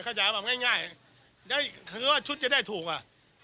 เขาจะแบบง่ายคือว่าชุดจะได้ถูก